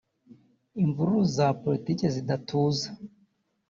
imvururu za Politiki zidatuza